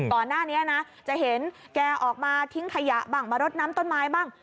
ก่อนหน้านี้นะจะเห็นแกออกมาทิ้งขยะบ้างมารดน้ำต้นไม้บ้าง